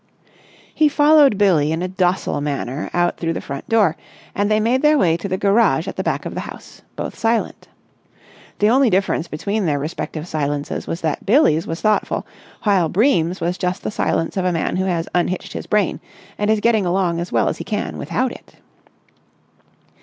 He followed Billie in a docile manner out through the front door, and they made their way to the garage at the back of the house, both silent. The only difference between their respective silences was that Billie's was thoughtful, while Bream's was just the silence of a man who has unhitched his brain and is getting along as well as he can without it.